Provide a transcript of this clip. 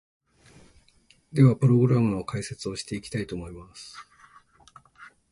では、プログラムの解説をしていきたいと思います！